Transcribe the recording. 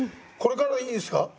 これからいいですか？